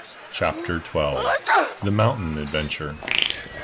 CHAPTER XII. _The Mountain Adventure.